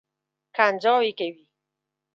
کنځاوې کوي.